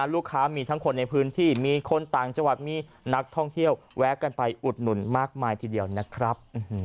ลูกค้ามีทั้งคนในพื้นที่มีคนต่างจังหวัดมีนักท่องเที่ยวแวะกันไปอุดหนุนมากมายทีเดียวนะครับ